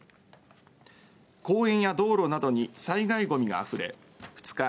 公園や道路などに災害ごみがあふれ２日